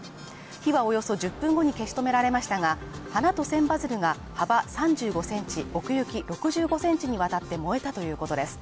火はおよそ１０分後に消し止められましたが、花と千羽鶴が幅３５センチ奥行き６５センチにわたって燃えたということです。